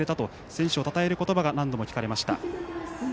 選手をたたえる言葉が何度も聞かれました。